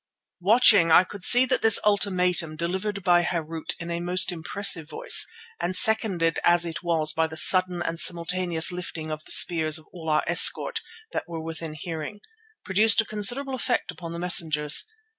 Watching, I could see that this ultimatum delivered by Harût in a most impressive voice, and seconded as it was by the sudden and simultaneous lifting of the spears of all our escort that were within hearing, produced a considerable effect upon the messengers.